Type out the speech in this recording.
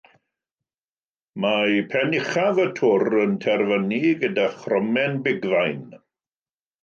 Mae pen uchaf y twr yn terfynu gyda chromen bigfain.